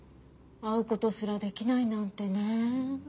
会う事すらできないなんてね。